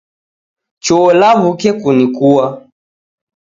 Cho lawuke kunikua